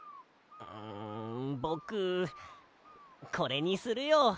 んぼくこれにするよ。